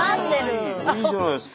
いいじゃないすか。